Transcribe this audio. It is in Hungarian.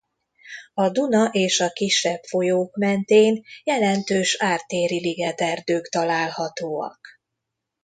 A Duna és a kisebb folyók mentén jelentős ártéri ligeterdők találhatóak.